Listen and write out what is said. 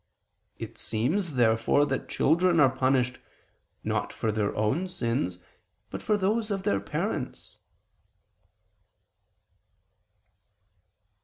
It seems, therefore, that children are punished, not for their own sins, but for those of their parents.